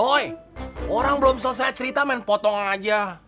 doi orang belum selesai cerita men potong aja